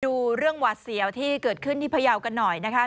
ดูเรื่องหวาดเสียวที่เกิดขึ้นที่พยาวกันหน่อยนะคะ